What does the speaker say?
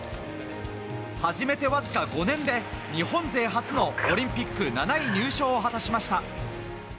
初めてわずか５年で日本勢初のオリンピック７位入賞を果たしました。